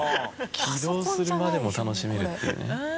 起動するまでも楽しめるっていうね。